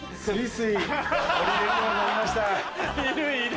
いるいる！